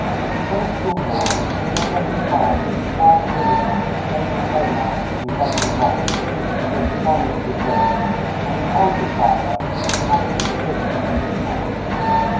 When a schoolboy he made up his mind that his father's income, made as a paymaster in government office was dishonestly gained, and he told his father that it ought to be given to the people.